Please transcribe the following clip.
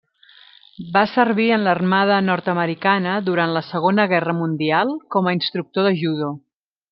Va servir en l'armada nord-americana durant la Segona Guerra Mundial com a instructor de judo.